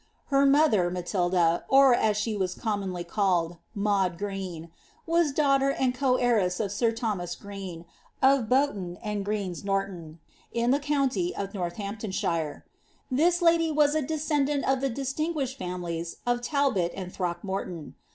Her mother, Matilda, or, as she was com monly called, Maud Green, was daughter and coheiress of sir Thonias Green, of Boughton and Green's Norton, in the county of Northampton' shire. This lady was a descendant of the distinguished families of Talbot and Throckmorton.